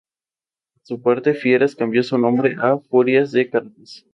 Cuando tenía apenas once años, empezó a practicar con la guitarra y los teclados.